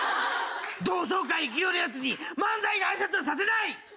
同窓会行くようなヤツに漫才のあいさつはさせない！